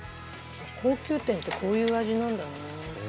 高級店ってこういう味なんだね。